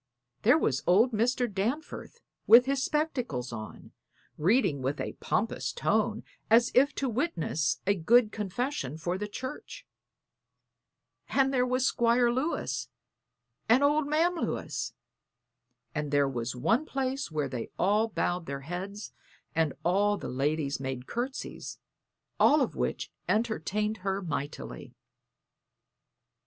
There was old Mr. Danforth with his spectacles on, reading with a pompous tone, as if to witness a good confession for the church; and there were Squire Lewis and old Ma'am Lewis; and there was one place where they all bowed their heads and all the ladies made courtesies all of which entertained her mightily.